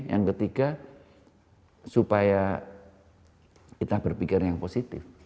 yang ketiga supaya kita berpikir yang positif